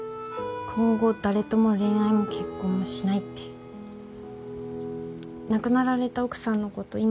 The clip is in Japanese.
今後誰とも恋愛も結婚もしないって亡くなられた奥さんのこと